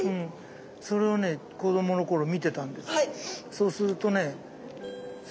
そうするとねその。